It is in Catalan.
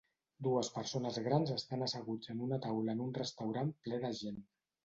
Dues persones grans estan asseguts en una taula en un restaurant ple de gent